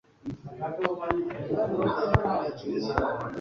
Buri gihe yatahuye ibibazo byacu ako kanya.